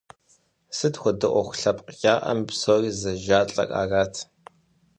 Сыт хуэдэ ӏуэху лъэпкъым яӏэми псори зэжалӏэр арат.